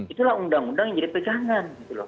itulah undang undang yang jadi pegangan